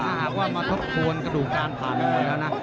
แต่ถ้าว่ามาทบควรกระดูกก้านผ่านมาแล้วนะ